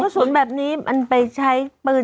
แล้วก็ศูนย์แบบนี้มันไปใช้ปืน